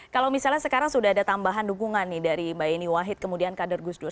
kalau misalnya sekarang sudah ada tambahan dukungan nih dari mbak yeni wahid kemudian kader gus dur